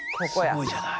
すごいじゃない。